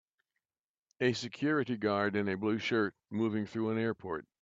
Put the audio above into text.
A security guard in a blue shirt moving through an airport